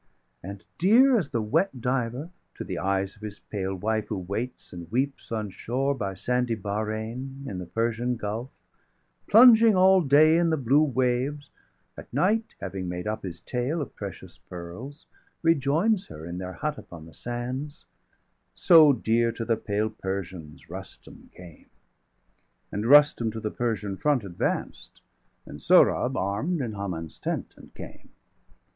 And dear as the wet diver to the eyes Of his pale wife who waits and weeps on shore, 285 By sandy Bahrein,° in the Persian Gulf, °286 Plunging all day in the blue waves, at night, Having made up his tale° of precious pearls, °288 Rejoins her in their hut upon the sands So dear to the pale Persians Rustum came. 290 And Rustum to the Persian front advanced, And Sohrab arm'd in Haman's tent, and came.